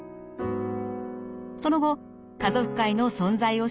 その後家族会の存在を知り入会。